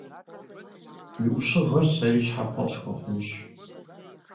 Уи Ӏущыгъэр сэри щхьэпэ къысхуэхъунщ.